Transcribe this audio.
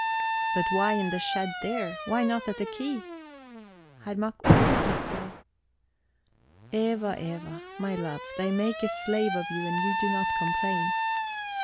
"But why in the shed there? Why not at the quay?" "Herr Mack ordered it so.. "Eva, Eva, my love, they make a slave of you and you do not complain. See!